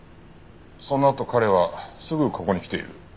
そのあと彼はすぐここに来ている。